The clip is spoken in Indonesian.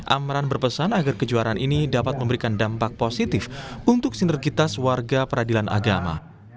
amran berpesan agar kejuaraan ini dapat memberikan dampak positif untuk sinergitas warga peradilan agama